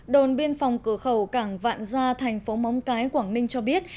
đồn biên phòng cửa khẩu cảng vạn gia thành phố móng cái quảng ninh cho biết